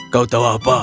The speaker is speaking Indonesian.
kau tahu apa